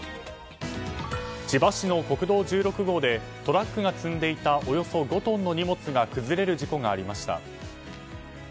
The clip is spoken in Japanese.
千葉市の国道１６号でトラックが積んでいたおよそ５トンの荷物が崩れる事故がありました。